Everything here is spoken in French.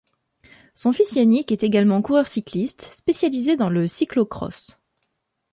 Son fils Yannick est également coureur cycliste, spécialisé dans le cyclo-cross.